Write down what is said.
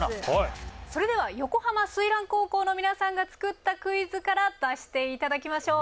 それでは横浜翠嵐高校の皆さんが作ったクイズから出していただきましょう。